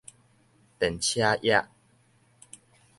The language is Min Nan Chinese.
電車驛